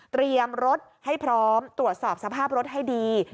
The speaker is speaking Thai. เตรียมรถให้พร้อมตรวจสอบสภาพรถให้ดี